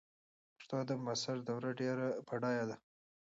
د پښتو ادب معاصره دوره ډېره بډایه ده.